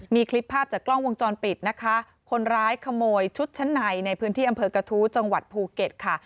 มีคลิปภาพจากกล้องวงจรปิดนะคะคนร้ายขโมยชุดชั้นในในพื้นที่อำเภอกระทู้จังหวัดภูเก็ตค่ะ